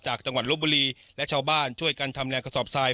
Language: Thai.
จังหวัดลบบุรีและชาวบ้านช่วยกันทำแรงกระสอบทราย